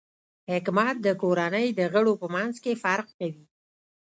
حکمت د کورنۍ د غړو په منځ کې فرق کوي.